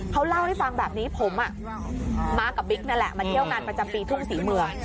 เขาเล่าให้ฟังแบบนี้ผมมากับบิ๊กนั่นแหละมาเที่ยวงานประจำปีทุ่งศรีเมือง